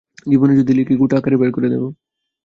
জীবনী যদি লিখি গোটা আকারে বের করে দেব।